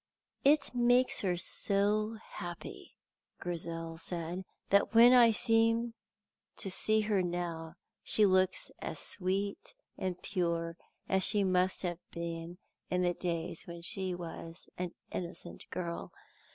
"It makes her so happy," Grizel said, "that when I seem to see her now she looks as sweet and pure as she must have been in the days when she was an innocent girl.